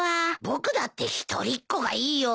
僕だって一人っ子がいいよ。